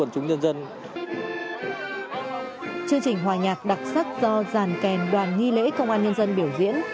chương trình hòa nhạc đặc sắc do giàn kèn đoàn nghi lễ công an nhân dân biểu diễn